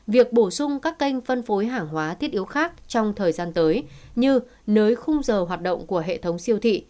việc bổ sung các kênh phân phối hàng hóa thiết yếu khác trong thời gian tới như nới khung giờ hoạt động của hệ thống siêu thị